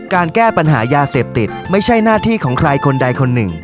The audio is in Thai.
การแก้ปัญหายาเสพติดไม่ใช่หน้าที่ของใครคนใดคนหนึ่ง